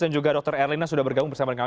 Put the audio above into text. dan juga dr erlina sudah bergabung bersama